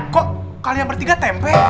kok kalian bertiga tempe